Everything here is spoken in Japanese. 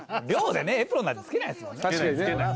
寮でねエプロンなんて着けないですもんね。